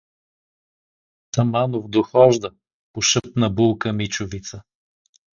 — Заманов дохожда — пошъпна булка Мичовица.